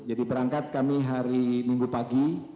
jadi berangkat kami hari minggu pagi